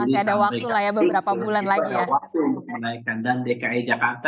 masih ada waktu beberapa bulan lagi